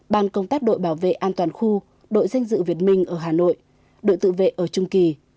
ban công tác đội bảo vệ an toàn khu đội danh dự việt minh ở hà nội đội tự vệ ở trung kỳ